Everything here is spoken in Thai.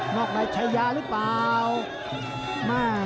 นอกนายชายาหรือเปล่า